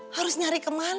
harus nyari kemana